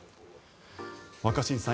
若新さん